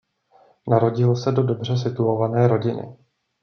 Narodil se do dobře situované rodiny.